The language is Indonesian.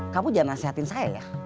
kamu jangan nasehatin saya ya